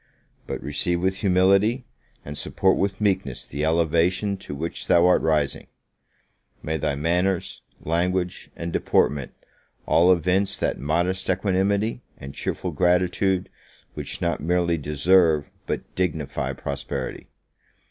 but receive with humility, and support with meekness the elevation to which thou art rising! May thy manners, language, and deportment, all evince that modest equanimity, and cheerful gratitude, which not merely deserve, but dignify prosperity!